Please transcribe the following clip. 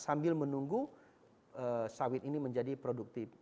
sambil menunggu sawit ini menjadi produktif